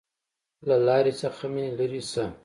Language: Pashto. له لارې څخه مې لېرې شه!